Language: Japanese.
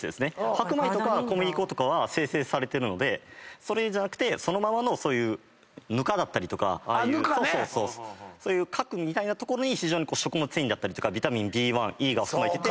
白米小麦粉は精製されてるのでそれじゃなくてそのままのぬかだったりとかそういう核みたいな所に非常に食物繊維だったりとかビタミンＢ１Ｅが含まれてて。